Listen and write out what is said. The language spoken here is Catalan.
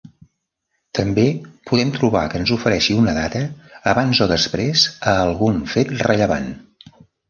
També podem trobar que ens ofereixi una data abans o després a algun fet rellevant.